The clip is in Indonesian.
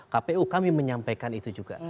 kpu kami menyampaikan itu juga